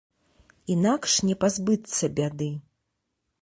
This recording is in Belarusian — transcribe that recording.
Інакш не пазбыцца бяды.